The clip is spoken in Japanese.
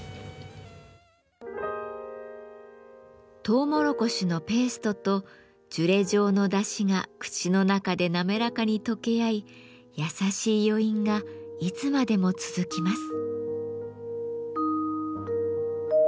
とうもろこしのペーストとジュレ状のだしが口の中で滑らかに溶け合い優しい余韻がいつまでも続きます。